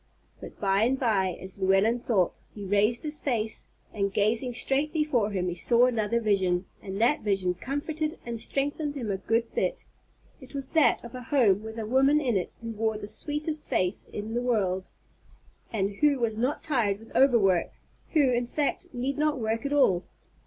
But, by and by, as Llewellyn thought, he raised his face, and, gazing straight before him, he saw another vision, and that vision comforted and strengthened him a good bit. It was that of a home, with a woman in it who wore the sweetest face in the world, and who was not tired with overwork, who, in fact, need not work at all.